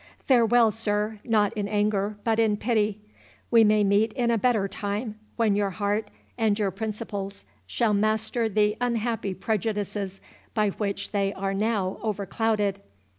—Farewell, sir—not in anger, but in pity—We may meet in a better time, when your heart and your principles shall master the unhappy prejudices by which they are now overclouded.